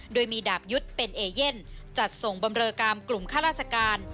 โดยมีดาบยุทธ์เป็นเอเย่นจัดส่งบำเรอกรรมกลุ่มข้าราชการ